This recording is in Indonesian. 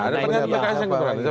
nah itu dia